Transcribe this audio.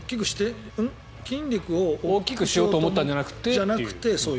筋肉を大きくしようと思ったんじゃなくてっていう。